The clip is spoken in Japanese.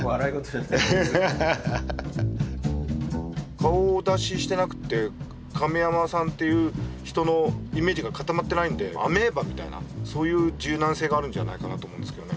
顔出ししてなくて亀山さんっていう人のイメージが固まってないんでアメーバみたいなそういう柔軟性があるんじゃないかなと思うんですけどね。